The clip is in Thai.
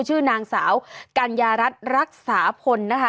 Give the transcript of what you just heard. ชื่อนางสาวกัญญารัฐรักษาพลนะคะ